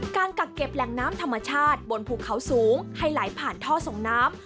กักเก็บแหล่งน้ำธรรมชาติบนภูเขาสูงให้ไหลผ่านท่อส่งน้ำ